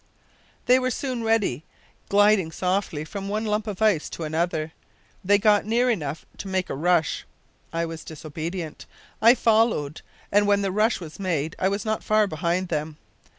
"They were soon ready. Gliding swiftly from one lump of ice to another, they got near enough to make a rush. I was disobedient! I followed, and when the rush was made I was not far behind them.